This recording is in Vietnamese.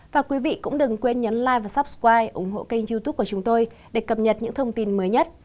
và quý vị cũng đừng quên nhấn like và sup sky ủng hộ kênh youtube của chúng tôi để cập nhật những thông tin mới nhất